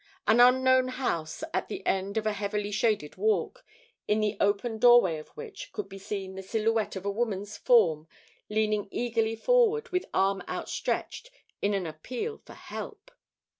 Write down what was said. An unknown house at the end of a heavily shaded walk, in the open doorway of which could be seen the silhouette of a woman's form leaning eagerly forward with arms outstretched in an appeal for help!